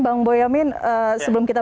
bang boyamin sebelum kita